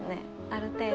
ある程度は。